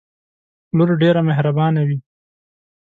لور ډیره محربانه وی